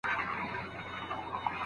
څېړونکي وايي ځینې شواهد محدود دي.